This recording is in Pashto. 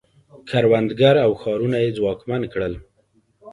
کروندګر او ښارونه یې ځواکمن کړل